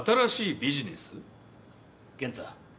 健太。